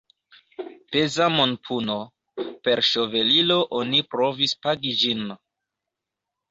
Peza monpuno – per ŝovelilo oni provis pagi ĝin.